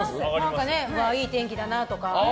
いい天気だなとか。